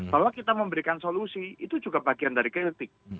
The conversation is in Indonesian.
bahwa kita memberikan solusi itu juga bagian dari kritik